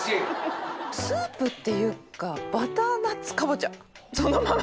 スープっていうかバターナッツかぼちゃそのまま。